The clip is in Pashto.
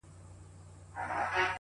په هر کور کي د طوطي کیسه توده وه!!